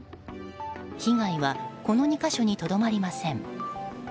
被害は、この２か所にとどまりません。